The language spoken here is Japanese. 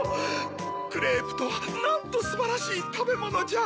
クレープとはなんとすばらしいたべものじゃ。